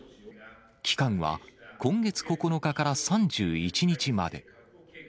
期間は今月９日から３１日まで。